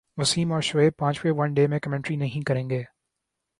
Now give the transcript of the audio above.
وسیم اور شعیب پانچویں one day میں کمنٹری نہیں کریں گے